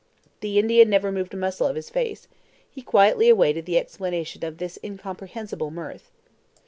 The Indian never moved a muscle of his face. He quietly awaited the explanation of this incomprehensible mirth.